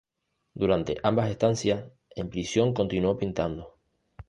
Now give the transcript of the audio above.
Durante ambas estancias en prisión continuó pintando.